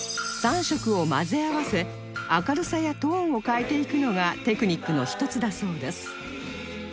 ３色を混ぜ合わせ明るさやトーンを変えていくのがテクニックの一つだそうです